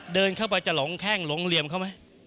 เดินเข้าไปจะหลงแข้งหลงเหลี่ยมเขาไหม